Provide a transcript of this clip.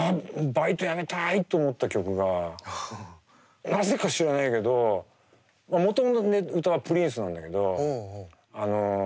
バイト辞めたいと思った曲がなぜか知らないけどもともと歌はＰｒｉｎｃｅなんだけどＳｉｎａｄＯ